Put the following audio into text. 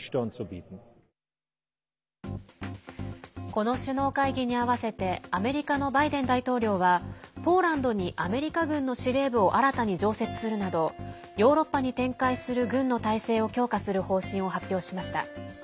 この首脳会議に合わせてアメリカのバイデン大統領はポーランドにアメリカ軍の司令部を新たに常設するなどヨーロッパに展開する軍の態勢を強化する方針を発表しました。